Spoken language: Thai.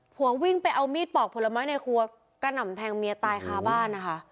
วงวิ่งไปเอามีดปอกผลไม้ในครัวกระหน่ำแทงเมียตายคาบ้านนะคะ